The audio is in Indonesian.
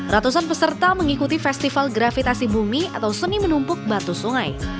ratusan peserta mengikuti festival gravitasi bumi atau seni menumpuk batu sungai